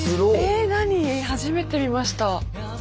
え何初めて見ました。